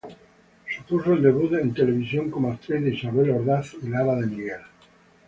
Supuso el debut en televisión como actriz de Isabel Ordaz y Lara de Miguel.